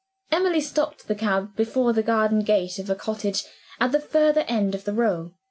Emily stopped the cab before the garden gate of a cottage, at the further end of the row.